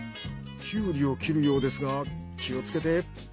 きゅうりを切るようですが気をつけて。